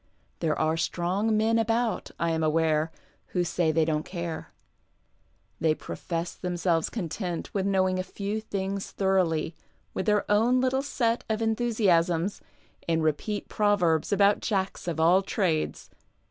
There are strong men about, I am aware, who say they don't care. They profess themselves content with knowing a few things thoroughly, with their own little set of enthusiasms, and repeat proverbs about jacks of all trades.